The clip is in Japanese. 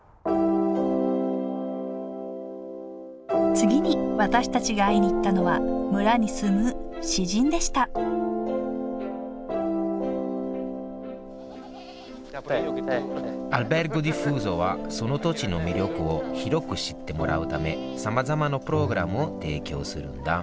次に私たちが会いに行ったのは村に住む詩人でしたアルベルゴ・ディフーゾはその土地の魅力を広く知ってもらうためさまざまなプログラムを提供するんだ。